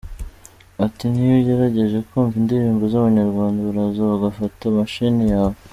Ati “N’iyo ugerageje kumva indirimbo z’Abanyarwanda baraza bagafata imashini yawe.